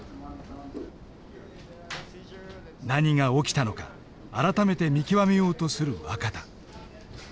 何が起きたのか改めて見極めようとする若田。